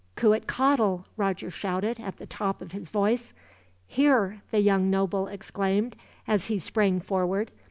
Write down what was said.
"Cuitcatl!" Roger shouted, at the top of his voice. "Here," the young noble exclaimed, as he sprang forward.